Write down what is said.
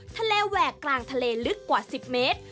แหวกกลางทะเลลึกกว่า๑๐เมตร